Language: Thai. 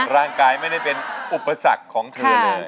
ร่างกายไม่ได้เป็นอุปสรรคของเธอเลย